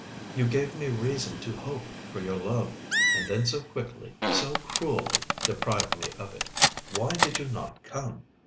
You gave me reason to hope for your love, and then so quickly, so cruelly deprived me of it. Why did you not come?"